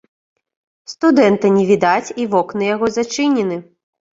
Студэнта не відаць, і вокны яго зачынены.